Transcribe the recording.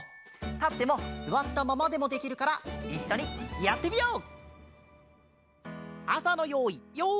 たってもすわったままでもできるからいっしょにやってみよう！